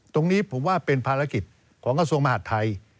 ตรงนี้ผมว่าเป็นภารกิจของกระทรวงมหาดไทย